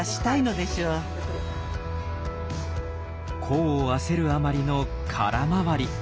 功を焦るあまりの空回り。